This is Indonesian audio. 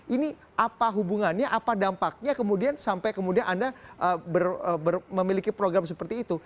ini apa hubungannya apa dampaknya kemudian sampai kemudian anda memiliki program seperti itu